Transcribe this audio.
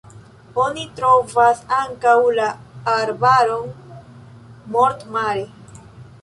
Oni trovas ankaŭ la arbaron Mort-Mare.